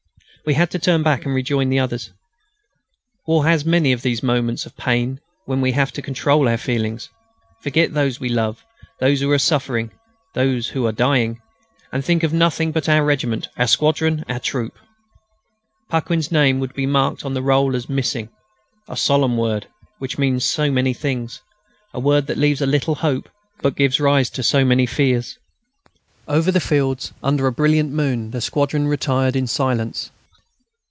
We had to turn back and rejoin the others. War has many of those moments of pain when we have to control our feelings forget those we love, those who are suffering, those who are dying and think of nothing but our regiment, our squadron, our troop. Paquin's name would be marked on the roll as "missing" a solemn word which means so many things, a word that leaves a little hope, but gives rise to so many fears. Over the fields, under a brilliant moon, the squadron retired in silence.